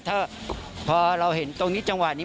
ถ้าพอเราเห็นตรงนี้จังหวะนี้